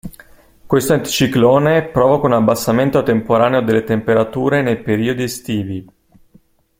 Questo anticiclone provoca un abbassamento temporaneo delle temperature nei periodi estivi.